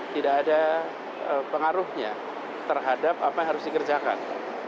tidak ada pengaruhnya terhadap apa yang harus dikerjakan